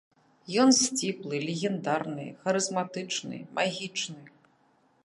Ён сціплы, легендарны, харызматычны, магічны.